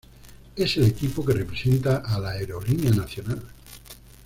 Es el equipo que representa a la aerolínea nacional.